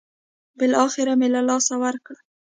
بالاخره مې له لاسه ورکړ.